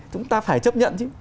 chúng ta phải chấp nhận